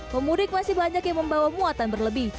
pemudik masih banyak yang membawa muatan berlebih